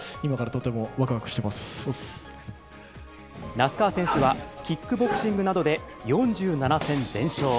那須川選手は、キックボクシングなどで４７戦全勝。